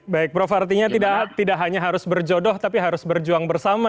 baik prof artinya tidak hanya harus berjodoh tapi harus berjuang bersama